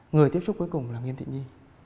người tiếp xúc cuối cùng là nghiêm thị nhi